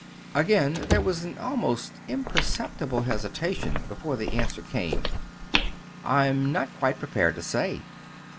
Again there was an almost imperceptible hesitation before the answer came. "I'm not quite prepared to say."